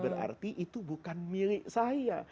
berarti itu bukan milik saya